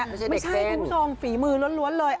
ไม่ใช่คุณทรงฝีมือล้วนเลย